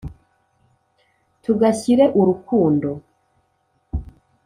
tugashyire urukundo